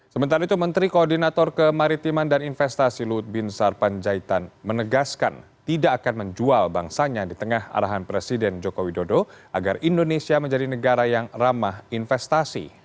sementara itu menteri koordinator kemaritiman dan investasi luhut bin sarpanjaitan menegaskan tidak akan menjual bangsanya di tengah arahan presiden joko widodo agar indonesia menjadi negara yang ramah investasi